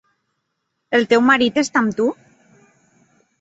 El teu marit està amb tu?